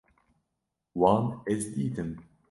Wan ez dîtim